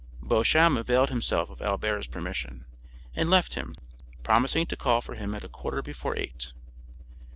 Beauchamp availed himself of Albert's permission, and left him, promising to call for him at a quarter before eight.